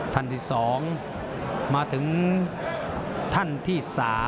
ท่านที่๒มาถึงท่านที่๓